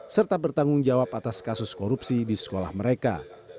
serta bertanggung jawab atas kasus korupsi di sekolah mereka